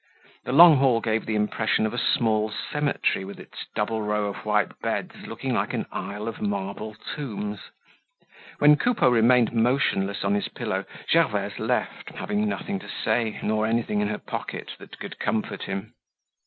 The long hall gave the impression of a small cemetery with its double row of white beds looking like an aisle of marble tombs. When Coupeau remained motionless on his pillow, Gervaise left, having nothing to say, nor anything in her pocket that could comfort him.